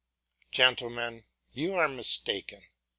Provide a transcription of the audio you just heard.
Gentlemen, you are mistaken.